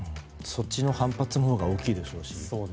そっちの反発のほうが大きいでしょうし。